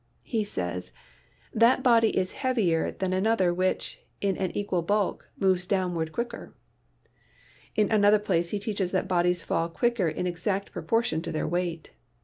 He says : "That body is heavier than another which, in an equal bulk, moves downward quicker." In another place he teaches that bodies fall quicker in exact proportion to their weight.